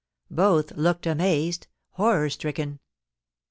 Both looked amazed — horror stricken.